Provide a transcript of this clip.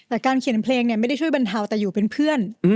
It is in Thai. แต่การเขียนเพลงเนี่ยไม่ได้ช่วยบรรเทาแต่อยู่เป็นเพื่อน